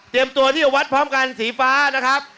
ตัวที่จะวัดพร้อมกันสีฟ้านะครับ